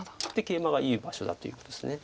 ケイマがいい場所だということです。